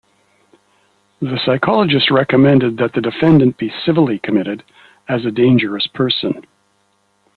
The psychologist recommended that the defendant be civilly committed as a dangerous person.